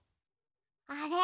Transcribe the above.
あれ？